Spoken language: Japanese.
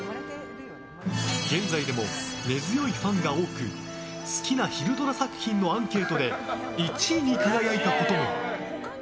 現在でも根強いファンが多く好きな昼ドラ作品のアンケートで１位に輝いたことも。